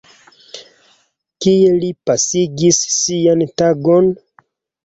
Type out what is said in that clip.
Kie li pasigis sian tagon?